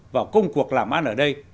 vào công cuộc làm ăn ở đây